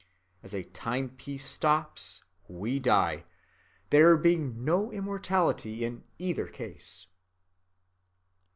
As a timepiece stops, we die—there being no immortality in either case.